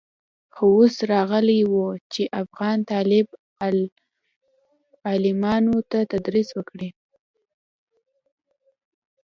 خو اوس راغلى و چې افغان طالب العلمانو ته تدريس وکړي.